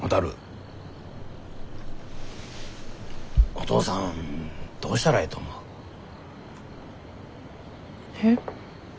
おとうさんどうしたらええと思う？え？